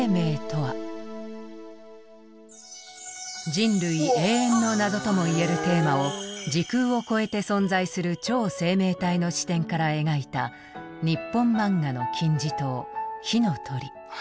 人類永遠の謎ともいえるテーマを時空を超えて存在する超生命体の視点から描いた日本漫画の金字塔「火の鳥」。